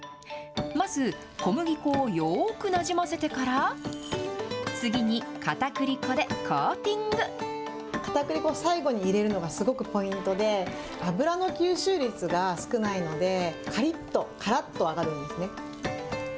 まず小麦粉をよくなじませてから、次に、かたくり粉、最後に入れるのがすごくポイントで、油の吸収率が少ないので、かりっと、からっと揚がるんですね。